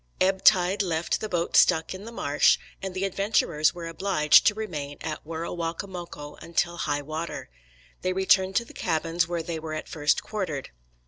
Ebb tide left the boat stuck in the marsh, and the adventurers were obliged to remain at Werowocomoco until high water. They returned to the cabins where they were at first quartered.